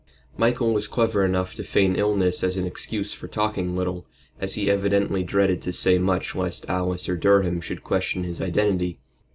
Michael was clever enough to feign illness as an excuse for talking little, as he evidently dreaded to say much lest Alice or Durham should question his identity.